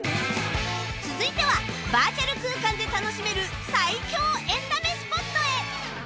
続いてはバーチャル空間で楽しめる最強エンタメスポットへ